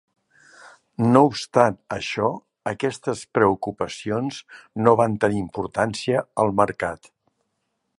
No obstant això, aquestes preocupacions no van tenir importància al mercat.